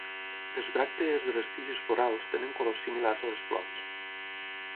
Les bràctees de les tiges florals tenen colors similars a les flors.